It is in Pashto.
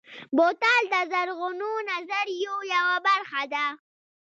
بوتل د زرغونو نظریو یوه برخه ده.